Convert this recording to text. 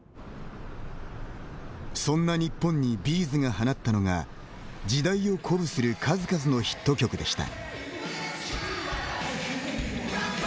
そんな日本にＢ’ｚが放ったのが時代を鼓舞する数々のヒット曲でした。